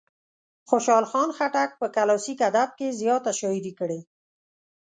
خوشال خان خټک په کلاسیک ادب کې زیاته شاعري کړې.